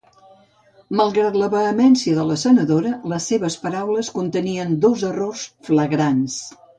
Malgrat la vehemència de la senadora, les seves paraules contenien dos errors flagrants.